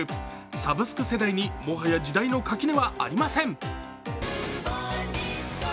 サブスク世代にもはや時代の垣根はありません。